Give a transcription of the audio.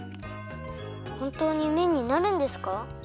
ほんとうにめんになるんですか？